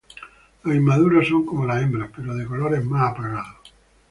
Los inmaduros son como las hembras pero de colores más apagados.